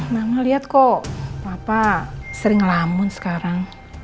mama lihat kok papa sering lamun sekarang